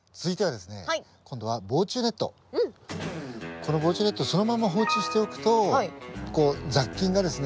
この防虫ネットをそのまま放置しておくと雑菌がですね